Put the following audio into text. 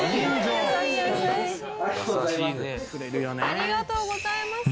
ありがとうございます。